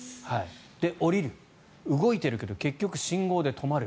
降りる、動いてるけど結局、信号で止まる。